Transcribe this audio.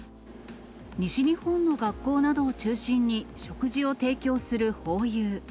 西日本の学校などを中心に食事を提供するホーユー。